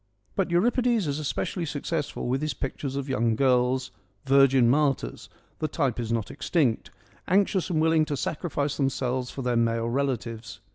But Euripides is especially successful with his pictures of young girls, virgin martyrs — the type is not extinct — anxious and willing to sacrifice them selves for their male relatives.